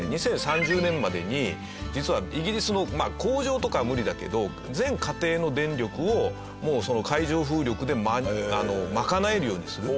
２０３０年までに実はイギリスのまあ工場とかは無理だけど全家庭の電力をもうその海上風力で賄えるようにする。